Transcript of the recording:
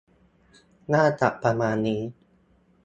น่าจะประมาณนี้